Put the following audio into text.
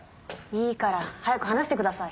いいから早く話してください。